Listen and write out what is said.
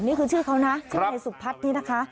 นี่คือชื่อเขาใช่ไหมสุภัทรนี่นะคะ